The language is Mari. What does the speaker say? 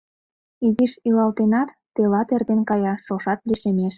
Изиш илалтенат, телат эртен кая, шошат лишемеш.